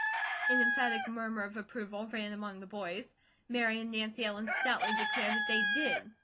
An emphatic murmur of approval ran among the boys, Mary and Nancy Ellen stoutly declared that they did.